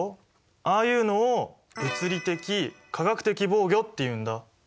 ああいうのを物理的・化学的防御っていうんだ。